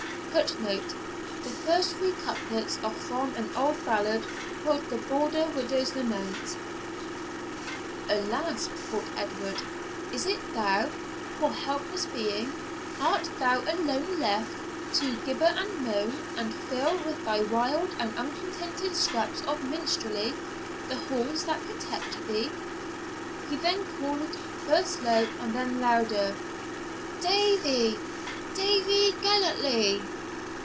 [Footnote: The first three couplets are from an old ballad, called the Border Widow's Lament.] 'Alas,' thought Edward, 'is it thou? Poor helpless being, art thou alone left, to gibber and moan, and fill with thy wild and unconnected scraps of minstrelsy the halls that protected thee?' He then called, first low, and then louder, 'Davie Davie Gellatley!'